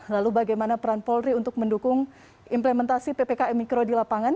lalu bagaimana peran polri untuk mendukung implementasi ppkm mikro di lapangan